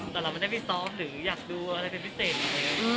แต่เราไม่ได้ไปซ้อมหรืออยากดูอะไรเป็นพิเศษไหม